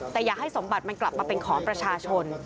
แต่อยากให้สมบัติมันกลับมาเป็นของประชาชน